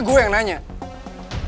murung enggak jadi satu